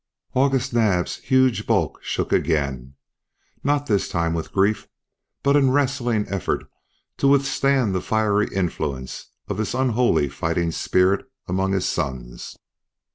August Naab's huge bulk shook again, not this time with grief, but in wrestling effort to withstand the fiery influence of this unholy fighting spirit among his sons.